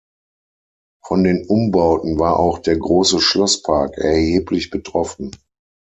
Von den Umbauten war auch der große Schlosspark erheblich betroffen.